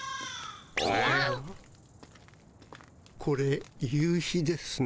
これ夕日ですね。